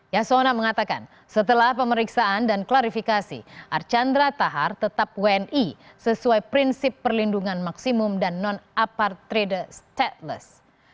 yasona mengatakan setelah pemeriksaan dan klarifikasi archandra tahar tetap wni sesuai prinsip perlindungan maksimum dan non apartrede stateless